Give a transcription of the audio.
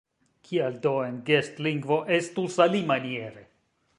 Kial do en gestlingvo estus alimaniere?